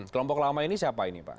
kelompok lama ini siapa ini pak